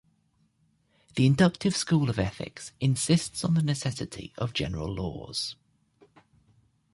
The inductive school of ethics insists on the necessity of general laws.